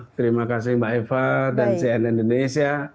terima kasih mbak eva dan cnn indonesia